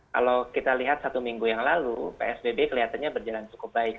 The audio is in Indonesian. kalau kita lihat satu minggu yang lalu psbb kelihatannya berjalan cukup baik